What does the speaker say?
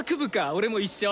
俺も一緒。